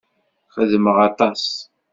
Xedmeɣ aṭas.